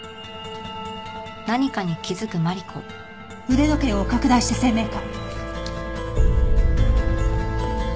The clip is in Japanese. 腕時計を拡大して鮮明化。